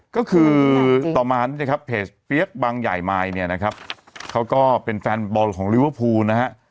ก็คือต่อมานี่นะครับเพจเฟียสบางใหญ่มายเนี่ยนะครับเขาก็เป็นแฟนบอลของลิเวอร์พูลนะฮะ